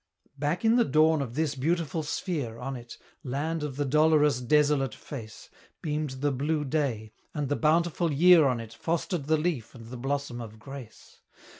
Back in the dawn of this beautiful sphere, on it Land of the dolorous, desolate face Beamed the blue day; and the bountiful year on it Fostered the leaf and the blossom of grace.